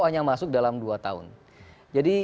hanya masuk dalam dua tahun jadi